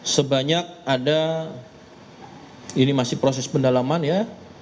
sebanyak ada ini masih proses pendalaman ya